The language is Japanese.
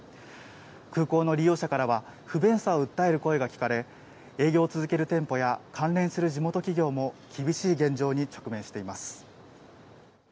空港の利用者からは、不便さを訴える声が聞かれ、営業を続ける店舗や関連する地元企業も厳しい現状に直面しています。